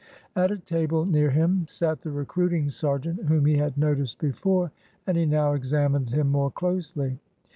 At a table near him sat the recruiting sergeant whom he had noticed before, and he now examined him more closely.